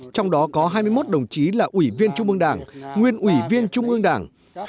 trong đó có hai mươi một đồng chí là ủy viên trung ương đảng nguyên ủy viên trung ương đảng